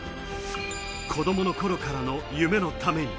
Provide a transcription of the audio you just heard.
子供の頃からの夢のために。